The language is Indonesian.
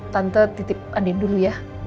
tante titip andin dulu ya